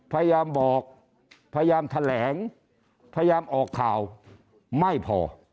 พยายามบอกพยายามแถลงพยายามออกข่าวไม่พอ